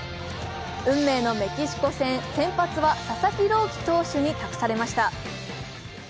運命のメキシコ戦、先発は佐々木朗希選手に託されました。